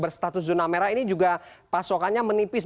berstatus zona merah ini juga pasokannya menipis